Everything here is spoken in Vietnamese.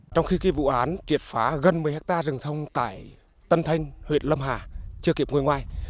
trong khi cái vụ án triệt phá gần một mươi hectare rừng thông tại tân thanh huyện lâm hà chưa kịp ngồi ngoài